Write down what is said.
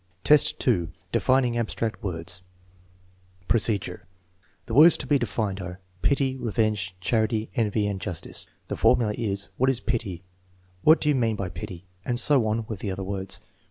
2. Defining abstract words Procedure. The words to be defined are pity, revenge, charity, envy, and justice. The formula is, " What is pity? What do we mean by pity? " and so on with the other words.